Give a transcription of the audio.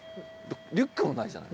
リュックもないじゃない。